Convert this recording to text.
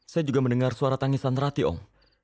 saya juga mendengar suara tangisan rati om